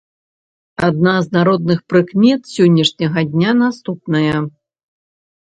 Адна з народных прыкмет сённяшняга дня наступная.